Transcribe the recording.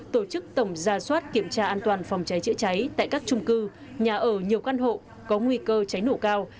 tổ chức tổng ra soát kiểm tra an toàn phòng cháy chữa cháy tại các trung cư nhà ở nhiều căn hộ có nguy cơ cháy nổ cao